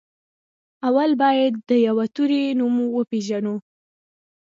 اول بايد د يوه توري نوم وپېژنو.